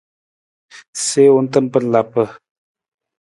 Siwung tamar lapa.